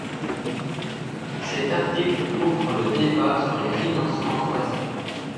Cet article ouvre le débat sur les financements croisés.